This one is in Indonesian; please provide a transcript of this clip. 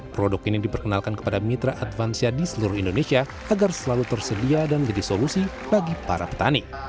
produk ini diperkenalkan kepada mitra advansia di seluruh indonesia agar selalu tersedia dan menjadi solusi bagi para petani